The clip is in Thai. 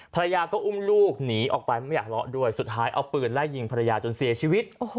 ภรรยาก็อุ้มลูกหนีออกไปไม่อยากเลาะด้วยสุดท้ายเอาปืนไล่ยิงภรรยาจนเสียชีวิต